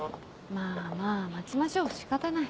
まぁまぁ待ちましょう仕方ない。